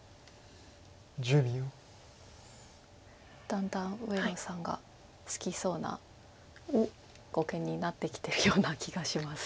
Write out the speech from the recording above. だんだん上野さんが好きそうな碁形になってきてるような気がします。